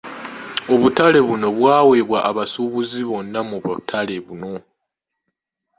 Obutale buno bwaweebwa abasuubuzi bonna mu butale buno.